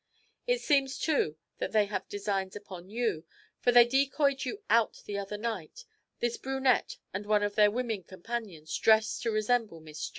It seems, too, that they have designs upon you, for they decoyed you out the other night, this brunette and one of their woman companions dressed to resemble Miss J.